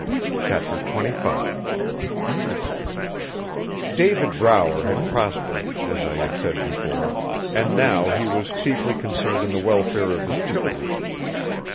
Chapter 25 David Brower had prospered, as I have said before, and now he was chiefly concerned in the welfare of his children.